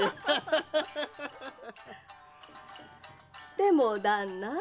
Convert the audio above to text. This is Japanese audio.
でも旦那。